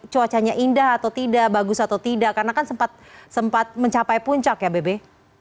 cuacanya indah atau tidak bagus atau tidak karena kan sempat mencapai puncak ya bebe